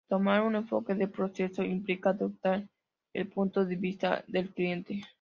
Tomar un enfoque de proceso implica adoptar el punto de vista del cliente.